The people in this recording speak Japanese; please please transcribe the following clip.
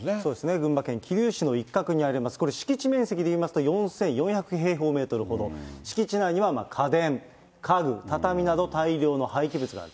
群馬県桐生市の一角にあります、これ、敷地面積でいいますと、４４００平方メートルほど、敷地内には家電、家具、畳など、大量の廃棄物がある。